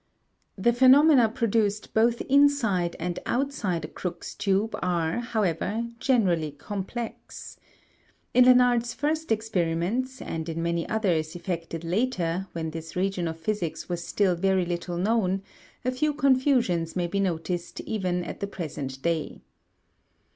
The phenomena produced both inside and outside a Crookes tube are, however, generally complex. In Lenard's first experiments, and in many others effected later when this region of physics was still very little known, a few confusions may be noticed even at the present day.